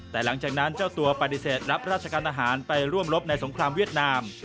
แต่หลังจากนั้นเจ้าตัวปฏิเสธรับราชการทหารไปร่วมลบในสงครามเวียดนาม